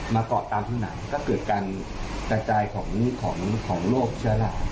มาเกาะตามพื้นหนังก็เกิดการกระจายของโรคเชื้อรา